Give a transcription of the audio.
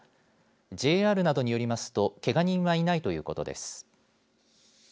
ＪＲなどによりますとけが人はいないということです。